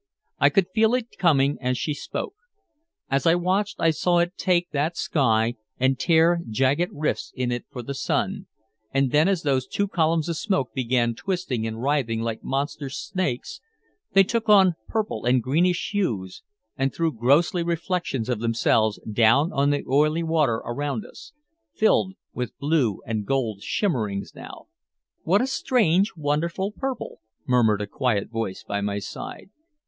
I could feel it coming as she spoke. As I watched I saw it take that sky and tear jagged rifts in it for the sun, and then as those two columns of smoke began twisting and writhing like monster snakes they took on purple and greenish hues and threw ghostly reflections of themselves down on the oily water around us, filled with blue and gold shimmerings now. "What a strange, wonderful purple," murmured a quiet voice by my side.